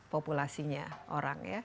populasinya orang ya